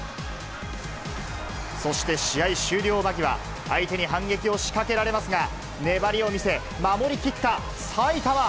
そして、試合終了間際、相手に反撃を仕掛けられますが、粘りを見せ、守りきった埼玉。